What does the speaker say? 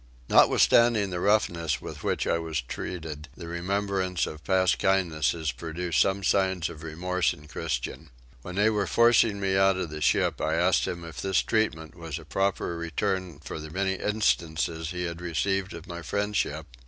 Notwithstanding the roughness with which I was treated the remembrance of past kindnesses produced some signs of remorse in Christian. When they were forcing me out of the ship I asked him if this treatment was a proper return for the many instances he had received of my friendship?